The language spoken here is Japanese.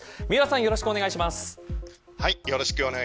よろしくお願いします。